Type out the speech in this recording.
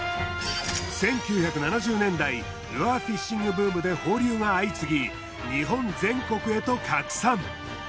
１９７０年代ルアーフィッシングブームで放流が相次ぎ日本全国へと拡散。